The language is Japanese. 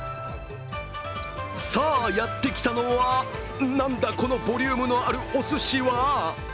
さあ、やってきたのは、なんだ、このボリュームのあるおすしは？